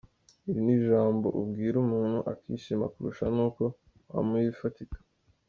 Iri ni ijambo ubwira umuntu akishima kurusha nuko wamuha ibifatika.